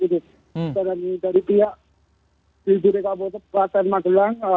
dan dari pihak juri kabupaten magelang